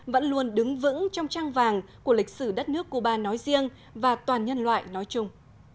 vẫn luôn đứng vững trong trang vàng của lịch sử đất nước cuba nói riêng và toàn nhân loại nói chung